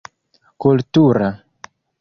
kultura